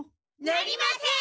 なりません！